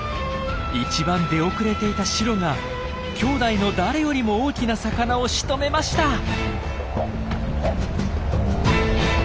一番出遅れていたシロがきょうだいの誰よりも大きな魚をしとめました！